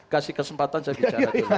kasih kesempatan saya bicara dulu